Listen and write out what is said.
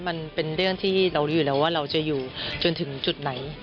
มันเป็นเรื่องที่เรารู้อยู่แล้วว่าเราจะอยู่จนถึงจุดไหน